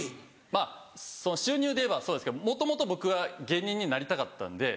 まぁ収入でいえばそうですけどもともと僕は芸人になりたかったんで。